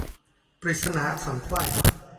ปริศนาอักษรไขว้